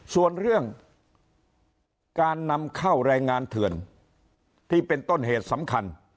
ส่วนเรื่องการนำเข้าแรงงานเถื่อนที่เป็นต้นเหตุสำคัญ